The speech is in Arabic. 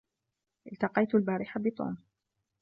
التقيت البارحة بتوم.